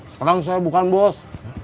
sekarang saya bukan bos